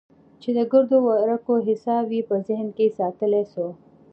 چې د ګردو ورقو حساب يې په ذهن کښې ساتلى سو.